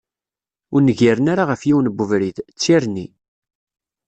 Ur ngiren ara ɣef yiwen n ubrid, d tirni.